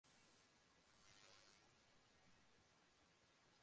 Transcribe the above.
আধ্যাত্মিক উপকারের পরই হইতেছে বুদ্ধিবৃত্তির উন্নতি-বিষয়ে সাহায্য।